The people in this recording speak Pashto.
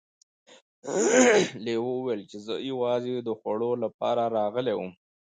لیوه وویل چې زه یوازې د خوړو لپاره راغلی وم.